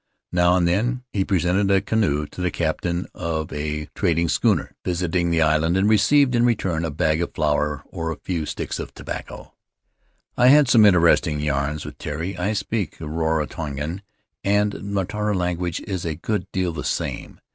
Now and then he presented a canoe to the captain of a 5 Faery Lands of the South Seas trading schooner visiting the island, and received in return a bag of flour or a few sticks of tobacco. "I had some interesting yarns with Tari — I speak Rarotongan, and the Mataora language is a good deal the same.